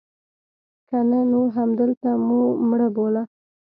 که نه نو همدلته مو مړه بوله.